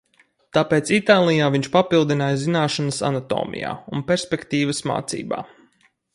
Tāpēc Itālijā viņš papildināja zināšanas anatomijā un perspektīvas mācībā.